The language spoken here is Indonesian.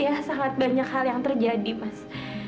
ya sangat banyak hal yang terjadi mas